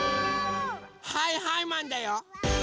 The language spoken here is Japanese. はいはいマンだよ！